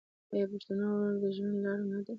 آیا پښتونولي د ژوند لاره نه ده؟